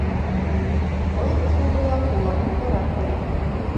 Был ысулды ла ҡулланып ҡарар кәрәк.